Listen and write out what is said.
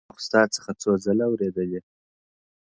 ما خو ستا څخه څو ځله اورېدلي،